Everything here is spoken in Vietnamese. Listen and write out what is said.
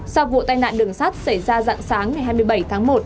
sau vụ tai nạn đường sắt xảy ra dạng sáng ngày hai mươi bảy tháng một